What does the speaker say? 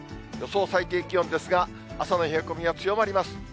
予想最低気温ですが、朝の冷え込みは強まります。